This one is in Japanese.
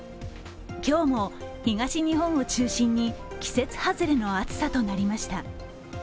今日も東日本を中心に季節外れの暑さとなりました。